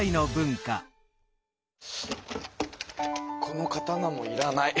この刀もいらない。